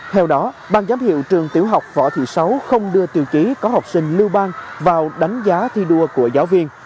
theo đó ban giám hiệu trường tiểu học võ thị sáu không đưa tiêu chí có học sinh lưu bang vào đánh giá thi đua của giáo viên